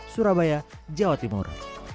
surabaya jawa timur